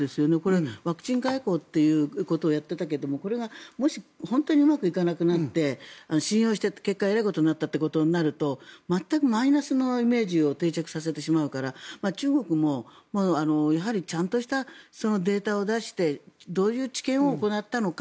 ワクチン外交ということをやっていたけどこれがもし本当にうまくいかなくなって信用した結果えらいことになったとなると全くマイナスのイメージを定着させてしまうから中国もやはりちゃんとしたデータを出してどういう治験を行ったのか。